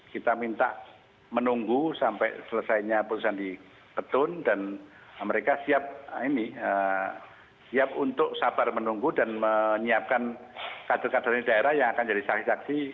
kita minta menunggu sampai selesainya putusan di ketun dan mereka siap untuk sabar menunggu dan menyiapkan kader kader di daerah yang akan jadi saksi saksi